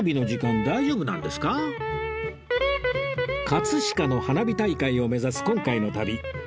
葛飾の花火大会を目指す今回の旅